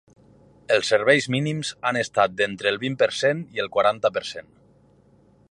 Els serveis mínims han estat d’entre el vint per cent i el quaranta per cent.